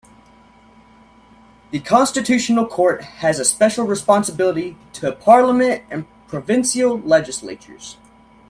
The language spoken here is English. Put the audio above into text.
The Constitutional Court has a special responsibility to parliament and provincial legislatures.